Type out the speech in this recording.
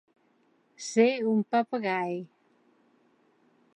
Ser un papagai.